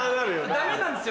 ダメなんですよ。